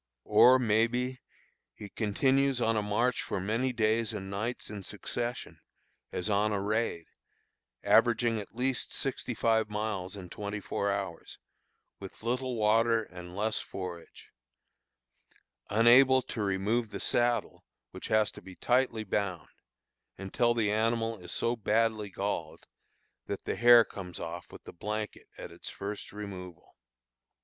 Or, may be, he continues on a march for many days and nights in succession, as on a raid, averaging at least sixty five miles in twenty four hours, with little water and less forage; unable to remove the saddle, which has to be tightly bound, until the animal is so badly galled that the hair comes off with the blanket at its first removal.